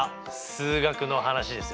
数学の話ですよね。